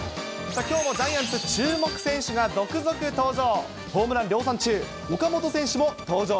さあ、きょうもジャイアンツ注目選手が続々登場。